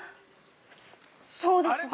◆そうですね。